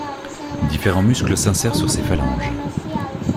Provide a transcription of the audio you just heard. Différents muscles s'insèrent sur ces phalanges.